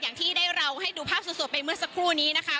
อย่างที่ได้เราให้ดูภาพสดไปเมื่อสักครู่นี้นะคะ